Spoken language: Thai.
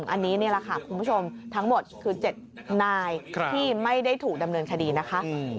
อันนี้นี่แหละค่ะคุณผู้ชมทั้งหมดคือ๗นายที่ไม่ได้ถูกดำเนินคดีนะคะ